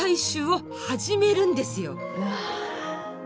うわ。